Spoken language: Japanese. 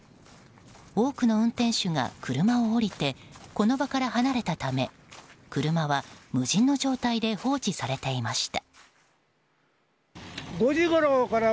多くの運転手が車を降りてこの場から離れたため車は無人の状態で放置されていました。